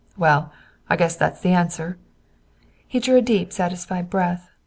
"Well, I guess that's the answer." He drew a deep satisfied breath.